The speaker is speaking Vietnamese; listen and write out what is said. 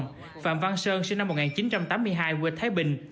nguyễn văn vui sinh năm một nghìn chín trăm tám mươi hai quê thái bình